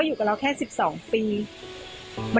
มันเป็นอาหารของพระราชา